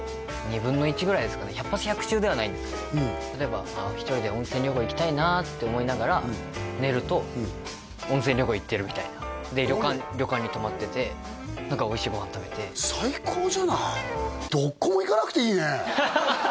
２分の１ぐらいですかね百発百中ではないんですけどうん例えばあ１人で温泉旅行行きたいなって思いながら寝るとで旅館に泊まってて何かおいしいご飯食べて最高じゃないどっこも行かなくていいねハハハ！